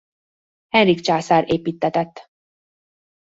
Henrik császár építtetett.